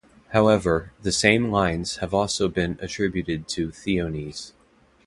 However, the same lines have also been attributed to Theognis.